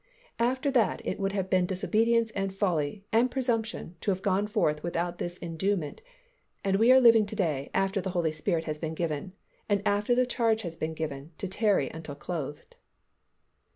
After that it would have been disobedience and folly and presumption to have gone forth without this enduement, and we are living to day after the Holy Spirit has been given and after the charge has been given to tarry until clothed.